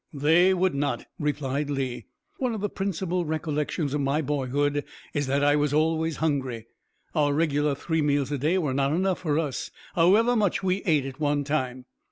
"They would not," replied Lee. "One of the principal recollections of my boyhood is that I was always hungry. Our regular three meals a day were not enough for us, however much we ate at one time.